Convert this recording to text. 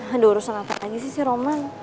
aduh rusak ngatain lagi sih roman